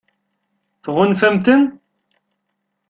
Tɣunfam-ten?